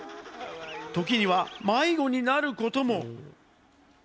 時には迷子になることも。